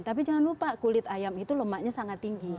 tapi jangan lupa kulit ayam itu lemaknya sangat tinggi